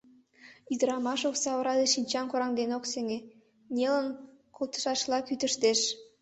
Ӱдырамаш окса ора деч шинчам кораҥден ок сеҥе, нелын колтышашла кӱтыштеш.